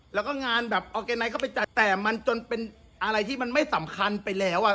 แล้วก็งานแบบออร์แกไนท์เข้าไปจัดแต่มันจนเป็นอะไรที่มันไม่สำคัญไปแล้วอ่ะ